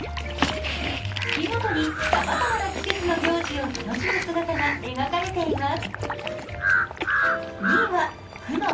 月ごとにさまざまな季節の行事を楽しむ姿が描かれています。